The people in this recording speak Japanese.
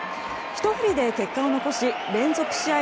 ひと振りで結果を残し連続試合